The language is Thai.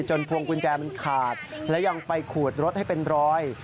พวงกุญแจมันขาดและยังไปขูดรถให้เป็นรอย